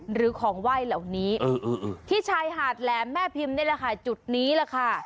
หรือของไหว้เหล่านี้ที่ชายหาดแหลมแม่พิมพ์นี่แหละค่ะจุดนี้แหละค่ะ